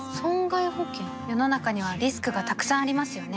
世の中にはリスクがたくさんありますよね